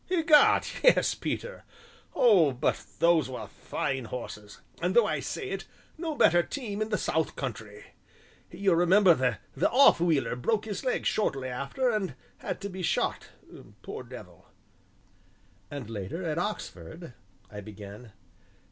"Egad, yes, Peter! Oh, but those were fine horses and though I say it, no better team in the south country. You'll remember the 'off wheeler' broke his leg shortly after and had to be shot, poor devil." "And later, at Oxford," I began.